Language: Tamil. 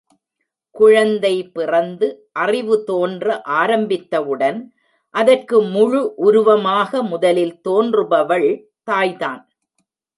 குழந்தை பிறந்து அறிவு தோன்ற ஆரம்பித்தவுடன் அதற்கு முழு உருவமாக முதலில் தோன்றுபவள் தாய்தான்.